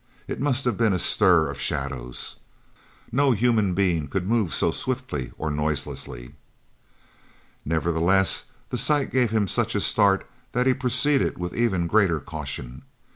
It must have been a stir of shadows. No human being could move so swiftly or so noiselessly. Nevertheless the sight gave him such a start that he proceeded with even greater caution.